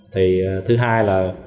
thứ hai là